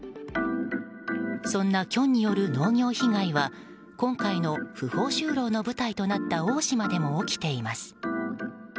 そんなキョンによる農業被害は今回の不法就労の舞台となった大島でも起きています。